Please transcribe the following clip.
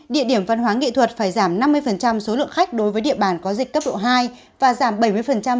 địa điểm văn hóa nghị thuật phải giảm năm mươi số lượng khách đối với địa bàn có dịch cấp độ hai và giảm